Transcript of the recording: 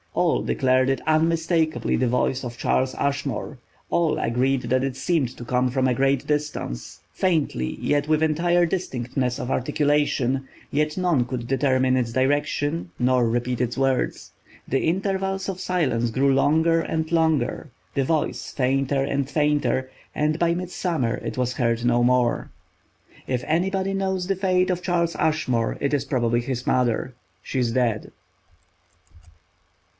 All declared it unmistakably the voice of Charles Ashmore; all agreed that it seemed to come from a great distance, faintly, yet with entire distinctness of articulation; yet none could determine its direction, nor repeat its words. The intervals of silence grew longer and longer, the voice fainter and farther, and by midsummer it was heard no more. If anybody knows the fate of Charles Ashmore it is probably his mother. She is dead.